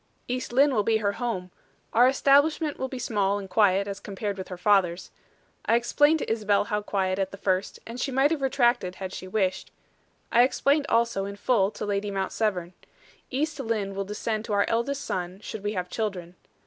"East Lynne will be her home. Our establishment will be small and quiet, as compared with her father's. I explained to Isabel how quiet at the first, and she might have retracted had she wished. I explained also in full to Lady Mount Severn. East Lynne will descend to our eldest son, should we have children.